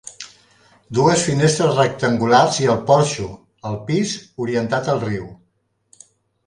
Dues finestres rectangulars i el porxo, al pis, orientat al riu.